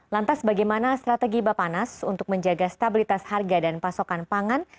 lantas bagaimana strategi bapak nas untuk menjaga stabilitas harga dan pasokan pangan